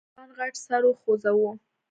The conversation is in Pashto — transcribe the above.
ځوان غټ سر وخوځوه.